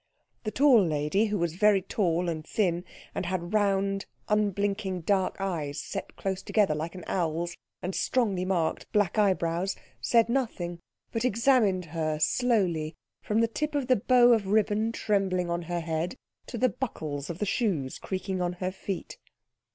The tall lady, who was very tall and thin, and had round unblinking dark eyes set close together like an owl's, and strongly marked black eyebrows, said nothing, but examined her slowly from the tip of the bow of ribbon trembling on her head to the buckles of the shoes creaking on her feet.